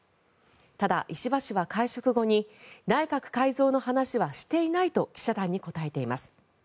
ただ、石破氏は会食後に内閣改造の話はしていないと記者団に答えています。